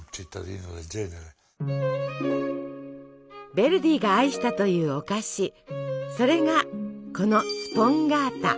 ヴェルディが愛したというお菓子それがこのスポンガータ。